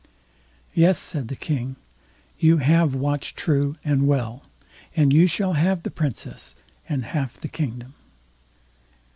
"Yes", said the King, "you have watched true and well, and you shall have the Princess and half the kingdom."